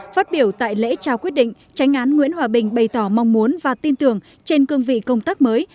phát biểu tại lễ trao quyết định tranh án nguyễn hòa bình bày tỏ mong muốn và tin tưởng trên cương vị công tác mới